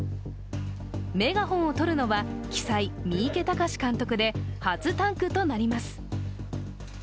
メガホンをとるのは、鬼才・三池崇史監督で、初タッグとなります。